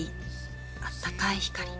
あったかい光。